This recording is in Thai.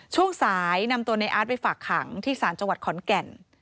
ช่วงสายนำตัวในอาร์ตไปฝากขังที่ศาลจังหวัดขอนแก่น